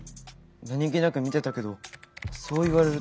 何気なく見てたけどそう言われると。